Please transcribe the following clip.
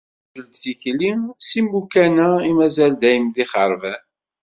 Ɛjel-d tikli s imukan-a i mazal dayem d ixeṛban.